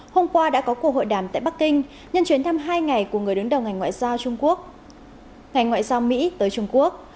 hôm qua đã có cuộc hội đàm tại bắc kinh nhân chuyến thăm hai ngày của người đứng đầu ngành ngoại giao mỹ tới trung quốc